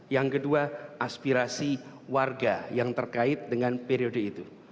yang kedua aspirasi warga yang terkait dengan periode itu